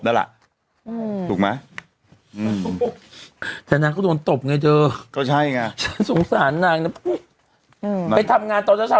แล้วล่ะถูกไหมแต่นางก็โดนตบไงเธอก็ใช่ไงฉันสงสารนางนะไปทำงานตอนเช้า